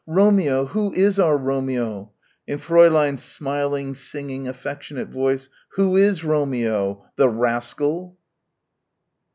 Romeo! Who is our Romeo?" and Fräulein's smiling, singing, affectionate voice, "Who is Romeo! The rascal!"